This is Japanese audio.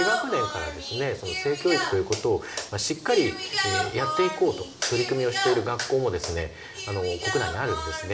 性教育ということをしっかりやっていこうと取り組みをしている学校もですね